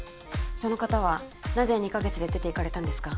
その方はなぜ２カ月で出て行かれたんですか？